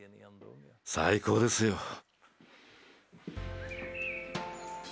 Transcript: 最高ですよ。